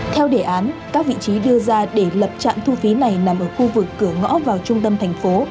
theo đề án các vị trí đưa ra để lập trạm thu phí này nằm ở khu vực cửa ngõ vào trung tâm thành phố